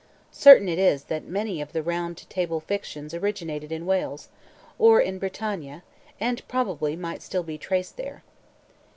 Certain it is that many of the round table fictions originated in Wales, or in Bretagne, and probably might still be traced there."